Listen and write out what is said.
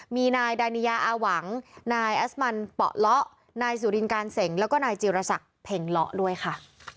มีนายดานิยาอาหวังนายอัสมันเปาะเลาะนายสุรินการเสงแล้วก็นายจีรศักดิ์เพ็งเลาะด้วยค่ะ